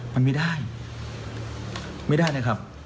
มันไม่ได้ไม่ได้นะครับ